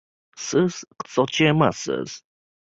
Siz iqtisodchi emassiz.